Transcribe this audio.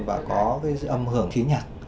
và có âm hưởng khí nhạc